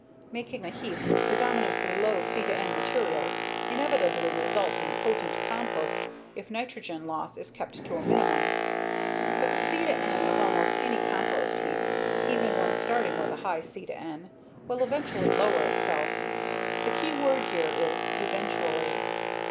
Making a heap with predominantly low C/N materials inevitably results in potent compost if nitrate loss is kept to a minimum. But the C/N of almost any compost heap, even one starting with a high C/N will eventually lower itself. The key word here is _eventually.